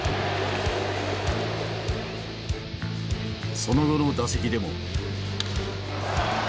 その後の打席でも。